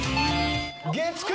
月９！